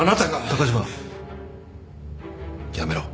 高島やめろ。